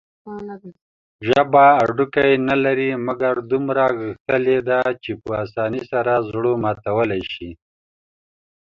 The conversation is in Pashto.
ژبه هډوکي نلري، مګر دومره غښتلي ده چې په اسانۍ سره زړه ماتولى شي.